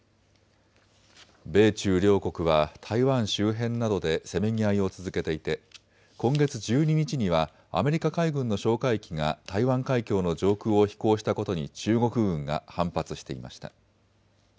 米中両国は台湾周辺などでせめぎ合いを続けていて今月１２日にはアメリカ海軍の哨戒機が台湾海峡の上空を飛行したことに中国軍が反発していました。